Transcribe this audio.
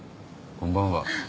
こんばんは。